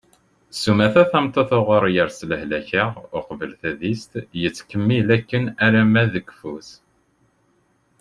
sumata tameṭṭut uɣur yers lehlak-a uqbel tadist yettkemmil akken arma d keffu-s